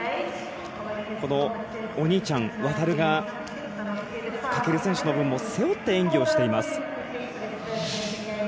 このお兄ちゃん、航が翔選手の分も背負って演技をしています。